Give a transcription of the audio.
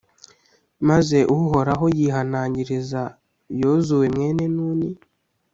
maze uhoraho yihanangiriza yozuwe mwene nuni,